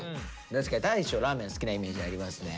確かに大昇ラーメン好きなイメージありますね。